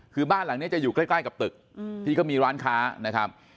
คือบ้านหลังนี้จะอยู่ใกล้กับตึกที่ก็มีร้านค้านะครับ